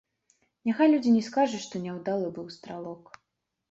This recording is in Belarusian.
Няхай людзі не скажуць, што няўдалы быў стралок.